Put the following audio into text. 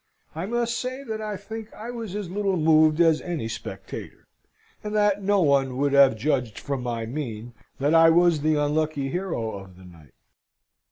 I must say that I think I was as little moved as any spectator; and that no one would have judged from my mien that I was the unlucky hero of the night.